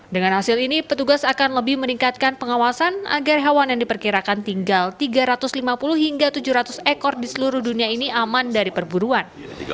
dengan hasil ini petugas akan lebih meningkatkan pengawasan agar hewan yang diperkirakan tinggal tiga ratus lima puluh hingga tujuh ratus ekor di seluruh dunia ini aman dari perburuan